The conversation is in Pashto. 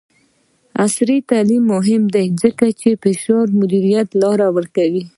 عصري تعلیم مهم دی ځکه چې د فشار مدیریت لارې ورکوي.